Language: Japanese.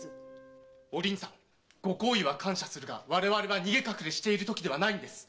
ご好意は感謝するが我々は逃げ隠れしている時ではないんです。